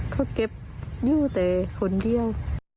เขาเก็บอยู่แต่คนเดียว